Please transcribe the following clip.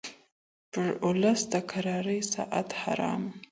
پر اولس د کرارۍ ساعت حرام و